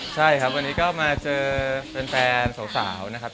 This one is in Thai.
ใช่ครับวันนี้ก็มาเจอแฟนสาวนะครับ